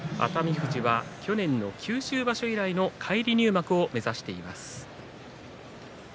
富士は去年の九州場所以来の返り入幕を目指しています。